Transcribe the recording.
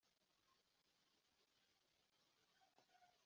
Arasa imyambi abanzi banjye ni yo